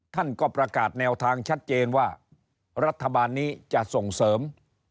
ท่านก็ประกาศแนวทางชัดเจนว่ารัฐบาลนี้จะส่งเสริม